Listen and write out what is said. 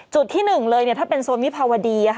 ที่๑เลยถ้าเป็นโซนวิภาวดี